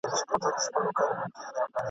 د طلا او جواهرو له شامته ..